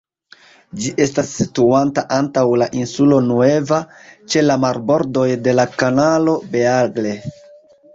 Ĝi estas situanta antaŭ la Insulo Nueva, ĉe la marbordoj de la Kanalo Beagle.